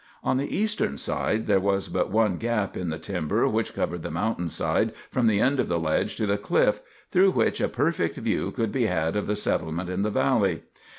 On the eastern side there was but one gap in the timber which covered the mountain side from the end of the ledge to the cliff, through which a perfect view could be had of the settlement in the valley.